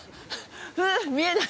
う見えない。